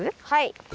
はい。